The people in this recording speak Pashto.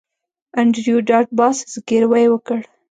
انډریو ډاټ باس زګیروی وکړ